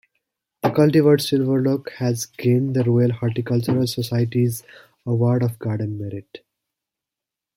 The cultivar 'Silberlocke' has gained the Royal Horticultural Society's Award of Garden Merit.